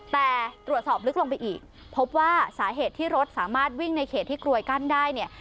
แต่ตรวจสอบลึกลงไปอีกพบว่าสาเหตุที่รถสามารถวิ่งในเขตที่กรวยกั้นได้เนี่ย